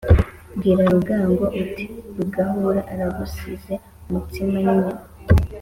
Bwira rugango, uti Rugahura aragusize-Umutsima n'inyama.